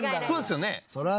そうですよね。